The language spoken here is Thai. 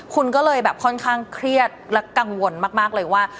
คุณก็เลยแบบค่อนข้างเครียดและกังวลมากเลยว่า